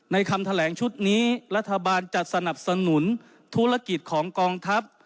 คำแถลงชุดนี้รัฐบาลจะสนับสนุนธุรกิจของกองทัพ